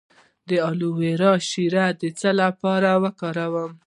د الوویرا شیره د څه لپاره وکاروم؟